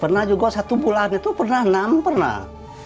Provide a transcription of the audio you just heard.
pernah juga satu bulan itu pernah enam pernah